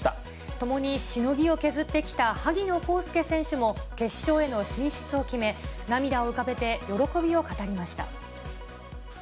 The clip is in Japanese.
ともにしのぎを削ってきた萩野公介選手も決勝への進出を決め、涙を浮かべて喜びを語りました。